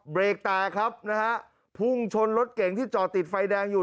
เบรกแตกครับนะฮะพุ่งชนรถเก่งที่จอดติดไฟแดงอยู่